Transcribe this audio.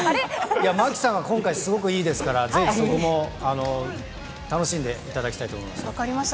いや、真木さんが今回すごくいいですから、ぜひそこも楽しんでいただき分かりました。